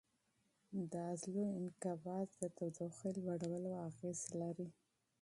د عضلو انقباض د تودوخې لوړولو اغېز لري.